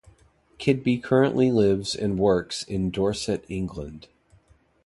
Kidby currently lives and workes in Dorset, England.